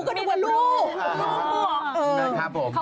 ตอนแรกเราไม่มีคำว่าครู